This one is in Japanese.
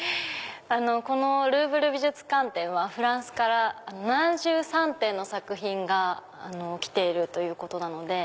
この「ルーヴル美術館展」はフランスから７３点の作品が来ているということなので。